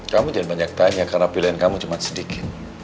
kamu jangan banyak tanya karena pilihan kamu cuma sedikit